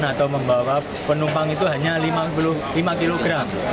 atau membawa penumpang itu hanya lima puluh lima kg